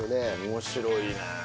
面白いね！